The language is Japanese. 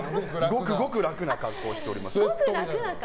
ごくごく楽な格好をしております。